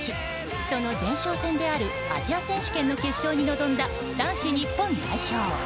その前哨戦であるアジア選手権の決勝に臨んだ男子日本代表。